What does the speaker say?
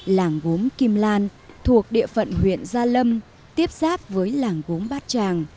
làng gốm kim lan thuộc địa phận huyện gia lâm tiếp giáp với làng gốm bát tràng